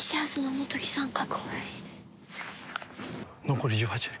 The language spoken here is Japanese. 残り１８人。